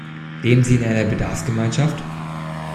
Leben Sie in einer Bedarfsgemeinschaft?